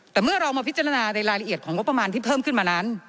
แต่เมื่อเรามาพิจารณาในรายละเอียดของงบประมาณที่เพิ่มขึ้นมานั้น